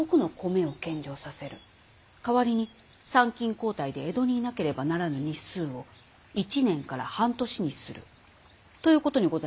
代わりに参勤交代で江戸にいなければならぬ日数を１年から半年にするということにございますか。